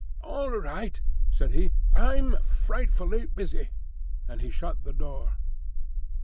"All right," said he. "I'm frightfully busy." And he shut the door.